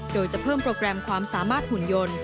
โดยจะเพิ่มโปรแกรมความสามารถหุ่นยนต์